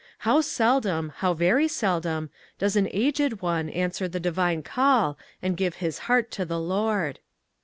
How seldom, how very seldom, does an aged one answer the divine call and give his heart to the Lord!